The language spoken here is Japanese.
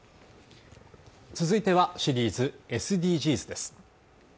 続いてはシリーズ「ＳＤＧｓ」です